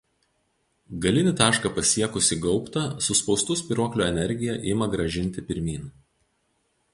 Galinį tašką pasiekusį gaubtą suspaustų spyruoklių energija ima grąžinti pirmyn.